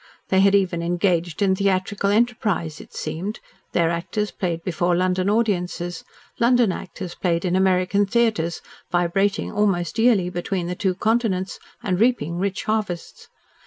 They had even engaged in theatrical enterprise, it seemed, their actors played before London audiences, London actors played in American theatres, vibrating almost yearly between the two continents and reaping rich harvests.